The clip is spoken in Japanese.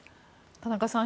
田中さん